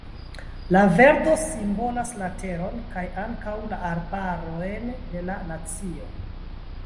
La verdo simbolas la teron, kaj ankaŭ la arbarojn de la nacio.